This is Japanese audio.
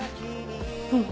うん。